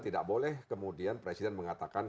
tidak boleh kemudian presiden mengatakan